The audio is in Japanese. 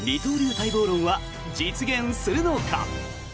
待望論は実現するのか。